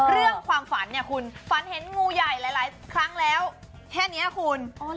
เรื่องความฝันเนี่ยคุณฝันเห็นงูใหญ่หลายครั้งแล้วแค่นี้คุณ